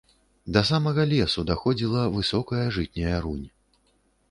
Да самага лесу даходзіла высокая жытняя рунь.